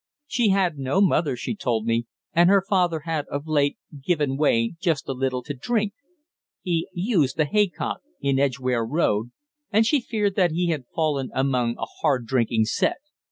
She had no mother, she told me; and her father had, of late, given way just a little to drink. He "used" the Haycock, in Edgware Road; and she feared that he had fallen among a hard drinking set.